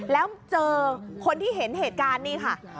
แล้วเจอคนที่เห็นเหตุการณ์นี่ค่ะ